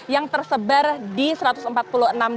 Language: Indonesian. yang tersebar di kawasan penanganan medis